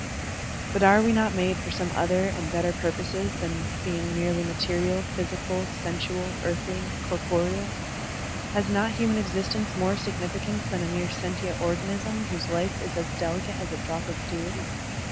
But are we not made for some other and better purposes than being merely material, physical, sensual, earthly, corporeal? Has not human existence more significance than a mere sentient organism whose life is as delicate as a drop of dew?